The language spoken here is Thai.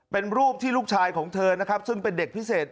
เป็นรูปที่ลูกชายของเธอนะครับซึ่งเป็นเด็กพิเศษ